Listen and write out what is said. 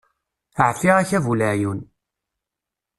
Ɛfiɣ-ak a bu leɛyun.